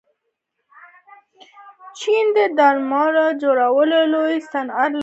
چین د درمل جوړولو لوی صنعت لري.